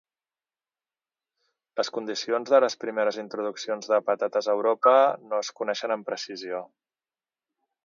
Les condicions de les primeres introduccions de patates a Europa no es coneixen amb precisió.